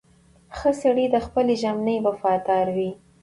• ښه سړی د خپلې ژمنې وفادار وي.